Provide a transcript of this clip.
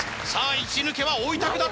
１抜けはおいたくだった。